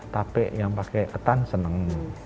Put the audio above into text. tape yang pakai ketan seneng